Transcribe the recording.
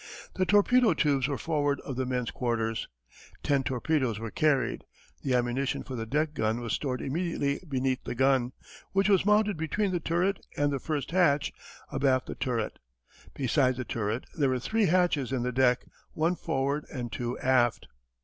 The torpedo tubes were forward of the men's quarters. Ten torpedoes were carried. The ammunition for the deck gun was stored immediately beneath the gun, which was mounted between the turret and the first hatch, abaft the turret. Besides the turret there were three hatches in the deck, one forward and two aft.